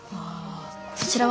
そちらは？